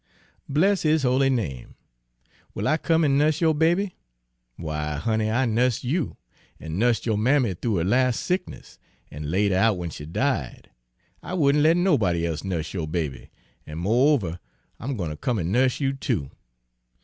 Bless his holy name! Will I come an' nuss yo' baby? Why, honey, I nussed you, an' nussed yo' mammy thoo her las' sickness, an' laid her out w'en she died. I wouldn' let nobody e'se nuss yo' baby; an' mo'over, I'm gwine ter come an' nuss you too.